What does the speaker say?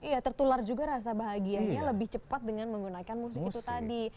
iya tertular juga rasa bahagianya lebih cepat dengan menggunakan musik itu tadi